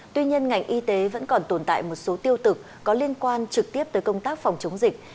tuy nhiên ngành y tế vẫn còn tồn tại một số tiêu cực có liên quan trực tiếp tới công tác phòng chống dịch